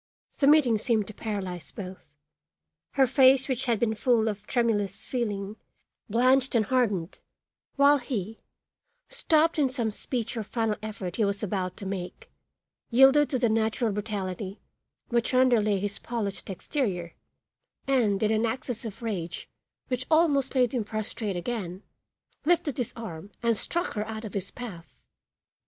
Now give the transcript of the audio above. The meeting seemed to paralyze both; her face which had been full of tremulous feeling blanched and hardened, while he, stopped in some speech or final effort he was about to make, yielded to the natural brutality which underlay his polished exterior, and, in an access of rage which almost laid him prostrate again, lifted his arm and struck her out of his path.